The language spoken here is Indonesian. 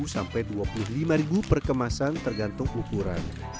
sampai rp dua puluh lima per kemasan tergantung ukuran